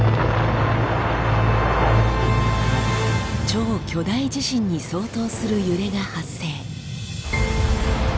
超巨大地震に相当する揺れが発生。